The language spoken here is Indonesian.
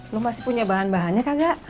lo masih punya bahan bahannya kagak